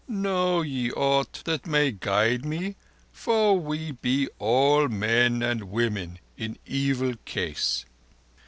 Know ye aught that may guide me, for we be all men and women in evil case."